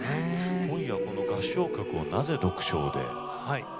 今夜は合唱曲をなぜ独唱で？